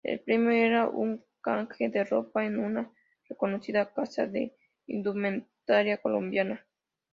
El premio era un canje de ropa en una reconocida casa de indumentaria colombiana.